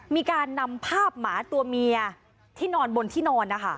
มีการนำภาพหมาตัวเมียที่นอนบนที่นอนนะคะ